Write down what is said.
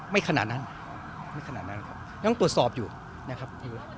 ขนาดนั้นไม่ขนาดนั้นครับยังตรวจสอบอยู่นะครับ